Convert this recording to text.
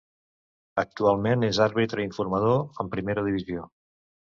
Actualment és àrbitre informador en primera divisió.